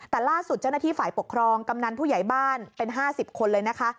แต่ล่าสุดเจ้าหน้าที่ฝ่ายปกครองกำนันผู้ใหญ่บ้านเป็น๕๐คนเลยนะคะ